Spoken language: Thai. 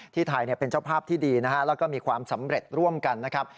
ไทยเป็นเจ้าภาพที่ดีนะฮะแล้วก็มีความสำเร็จร่วมกันนะครับ